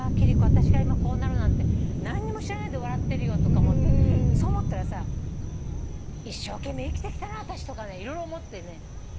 私が今こうなるなんて何にも知らないで笑ってるよとかそう思ったらさ一生懸命生きてきたな私とか色々思ってね。